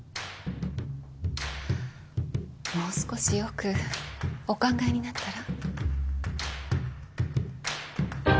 もう少しよくお考えになったら？